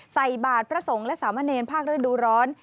ใส่บาทพระสงฆ์และสามเณรภาคฤดูร้อน